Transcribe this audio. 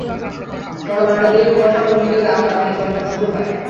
সকাল নয়টার দিকে কুয়াশা কমে গেলে আবার ফেরি চলাচল শুরু হয়।